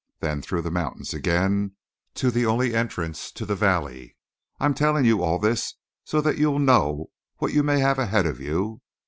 Then through the mountains again to the only entrance to the valley. I'm telling you all this so that you'll know what you may have ahead of you.